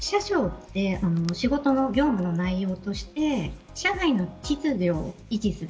車掌って仕事の業務の内容として車内の秩序を維持する。